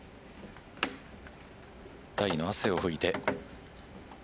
額の汗を拭いて。